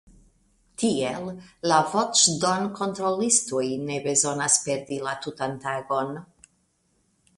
Tiel la voĉdonkontrolistoj ne bezonas perdi la tutan tagon.